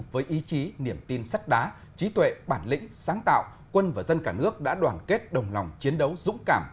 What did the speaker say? với ý chí niềm tin sắt đá trí tuệ bản lĩnh sáng tạo quân và dân cả nước đã đoàn kết đồng lòng chiến đấu dũng cảm